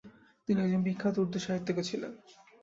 তিনি একজন বিখ্যাত উর্দূ সাহিত্যিক ও ছিলেন।